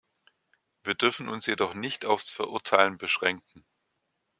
Wir dürfen uns jedoch nicht aufs Verurteilen beschränken.